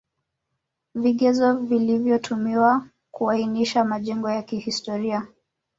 Vigezo vilivyotumiwa kuainisha majengo ya kihstoria